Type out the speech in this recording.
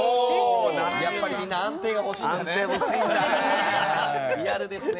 やっぱりみんな安定が欲しいんですね。